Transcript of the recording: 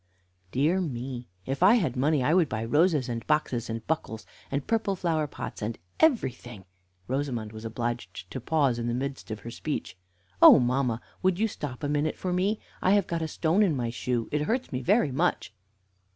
"Dear me, if I had money I would buy roses, and boxes, and buckles, and purple flower pots, and everything." Rosamond was obliged to pause in the midst of her speech. "Oh, mamma, would you stop a minute for me? I have got a stone in my shoe; it hurts me very much."